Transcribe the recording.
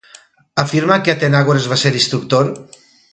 Afirma que Atenàgores va ser instructor?